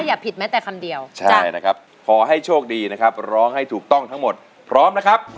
อย่าผิดแม้แต่คำเดียวใช่นะครับขอให้โชคดีนะครับร้องให้ถูกต้องทั้งหมดพร้อมนะครับ